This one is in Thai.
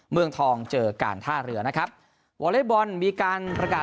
เมืองทองเจอการท่าเรือนะครับวอเล็กบอลมีการประกาศ